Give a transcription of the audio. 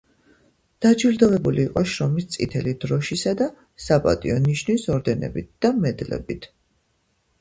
დაჯილდოვებული იყო შრომის წითელი დროშისა და „საპატიო ნიშნის“ ორდენებით და მედლებით.